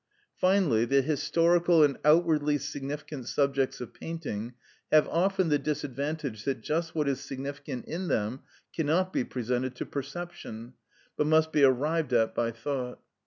Finally, the historical and outwardly significant subjects of painting have often the disadvantage that just what is significant in them cannot be presented to perception, but must be arrived at by thought.